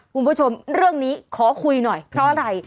คุณผู้ชมเรื่องนี้ขอคุยหน่อยเพราะอะไร